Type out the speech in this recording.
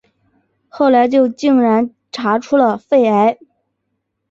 后来就竟然检查出肺癌